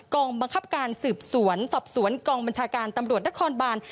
กองบังคับการสืบสวนสอบสวนกองบัญชาการตำรวจนครบาน